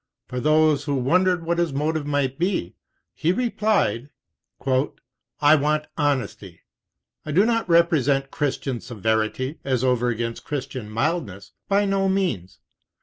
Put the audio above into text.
For those who wondered what his motive might be, he replied: "I want honesty. I do not represent Christian severity as over against Christian mildness; by no means.